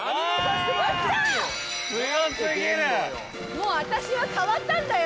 もう私は変わったんだよ。